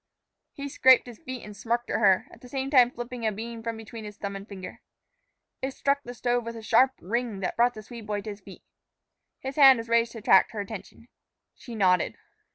He scraped his feet and smirked at her, at the same time flipping a bean from between his thumb and finger. It struck the stove with a sharp ring that brought the Swede boy to his feet. His hand was raised to attract her attention. She nodded.